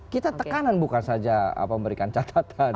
kita tekanan bukan saja memberikan catatan